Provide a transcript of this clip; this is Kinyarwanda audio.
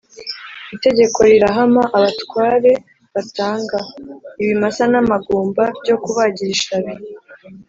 itegeko rirahama, abatware batanga. ibimasa n' amagumba byo kubagira ishabi;